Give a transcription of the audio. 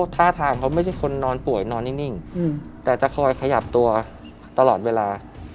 ท่าทางเขาไม่ใช่คนนอนป่วยนอนนิ่งแต่จะคอยขยับตัวตลอดเวลา